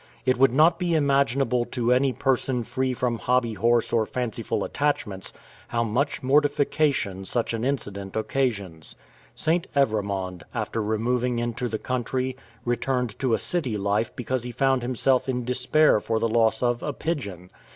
It would not be imaginable to any person free from hobby horse or fanciful attachments, how much mortification such an incident occasions. St. Evremond, after removing into the country, returned to a city life because he found himself in despair for the loss of a pigeon.